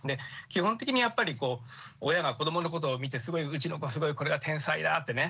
基本的にやっぱりこう親が子どものことを見てすごいうちの子すごいこれが天才だってね思う